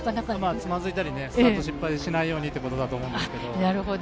つまずいたり、スタートを失敗しないようにっていうことだと思います。